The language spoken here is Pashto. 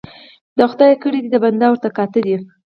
ـ د خداى کړه دي د بنده ورته کاته دي.